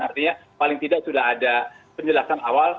artinya paling tidak sudah ada penjelasan awal